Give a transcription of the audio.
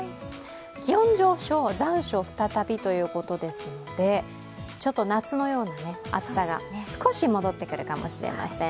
気温上昇、残暑再びということですのでちょっと夏のような暑さが少し戻ってくるかもしれません。